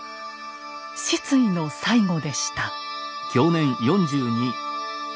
失意の最期でした。